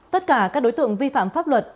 tất cả các đối tượng vi phạm pháp luật